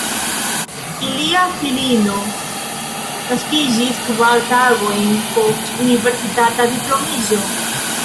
Ilia filino naskiĝis kvar tagojn post universitata diplomiĝo.